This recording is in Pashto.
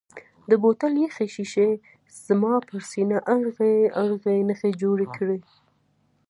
د بوتل یخې شیشې زما پر سینه ارغړۍ ارغړۍ نښې جوړې کړې.